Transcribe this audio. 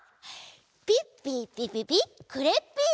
ピッピーピピピクレッピー！